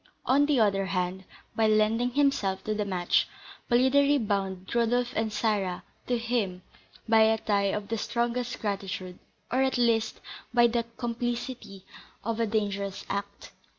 On the other hand, by lending himself to this match, Polidori bound Rodolph and Sarah to him by a tie of the strongest gratitude, or, at least, by the complicity of a dangerous act.